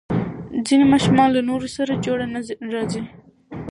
ځینې ماشومان له نورو سره جوړ نه راځي.